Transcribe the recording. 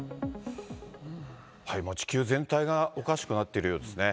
もう地球全体がおかしくなっているようですね。